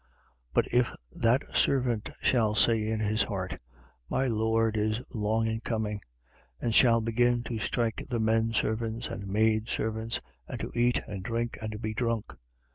12:45. But if that servant shall say in his heart: My Lord is long a coming; and shall begin to strike the men servants and maid servants, and to eat and to drink and be drunk: 12:46.